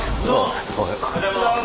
おはようございます。